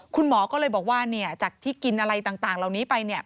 คุณหมอก็เลยบอกว่าจากที่กินอะไรต่างเหล่านี้ไป